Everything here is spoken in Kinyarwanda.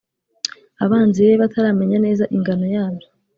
abanzi be bataramenya neza ingano yabyo.